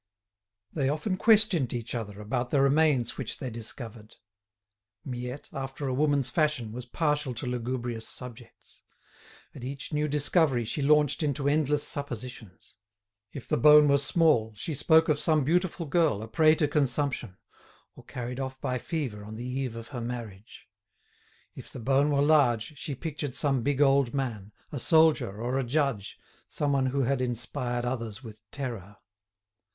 They often questioned each other about the remains which they discovered. Miette, after a woman's fashion, was partial to lugubrious subjects. At each new discovery she launched into endless suppositions. If the bone were small, she spoke of some beautiful girl a prey to consumption, or carried off by fever on the eve of her marriage; if the bone were large, she pictured some big old man, a soldier or a judge, some one who had inspired others with terror.